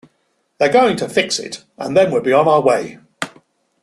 They're going to fix it, and then we'll be on our way.